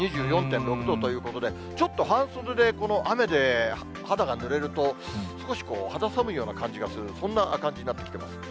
２４．６度ということで、ちょっと半袖で、この雨で、肌がぬれると、少しこう、肌寒いような感じがする、そんな感じになってきています。